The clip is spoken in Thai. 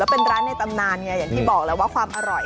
เป็นร้านในตำนานไงอย่างที่บอกแล้วว่าความอร่อย